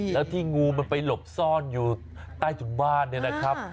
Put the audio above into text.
แล้วที่งูมันไปหลบซ่อนอยู่ใต้ถุนบ้านเนี่ยนะครับ